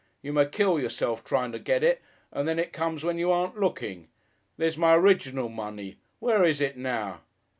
You may kill yourself trying to get it, and then it comes when you aren't looking. There's my 'riginal money! Where is it now?